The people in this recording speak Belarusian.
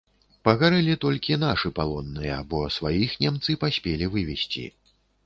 Пагарэлі толькі нашы палонныя, бо сваіх немцы паспелі вывезці.